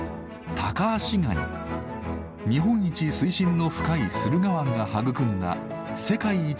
日本一水深の深い駿河湾が育んだ世界一